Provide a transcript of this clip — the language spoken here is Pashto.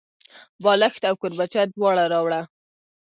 بالښت او کوربچه دواړه راوړه.